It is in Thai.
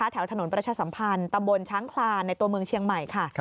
แถวถนนประชาสัมพันธ์ตำบลช้างคลานในตัวเมืองเชียงใหม่ค่ะ